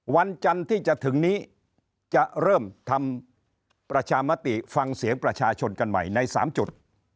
วันจันทร์ที่จะถึงนี้จะเริ่มทำประชามติฟังเสียงประชาชนกันใหม่ใน๓จุด